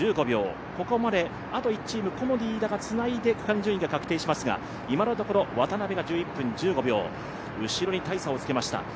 ここまであと１チーム、コモディイイダがつないで区間順位が確定しますが今のところ渡邊が１１分１５秒、後ろに大差をつけました。